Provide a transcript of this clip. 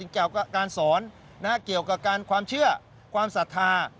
เกี่ยวกับการสอนเกี่ยวกับการความเชื่อความศรัทธา